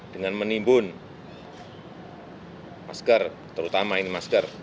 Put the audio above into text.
dengan menimbun masker terutama ini masker